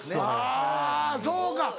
あそうか。